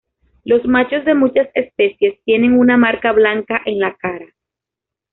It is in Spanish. Los machos de muchas especies tienen una marca blanca en la cara.